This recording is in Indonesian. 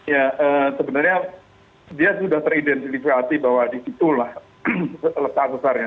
ya sebenarnya dia sudah teridentifikasi bahwa disitulah sesarnya